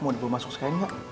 mau dibawa masuk sekali nyok